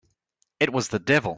It was the devil!